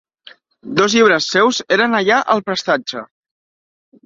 Dos llibres seus eren allà al prestatge.